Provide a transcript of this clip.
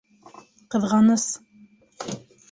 Ҡыҙғаныс...